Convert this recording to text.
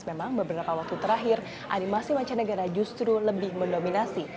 memang beberapa waktu terakhir animasi mancanegara justru lebih mendominasi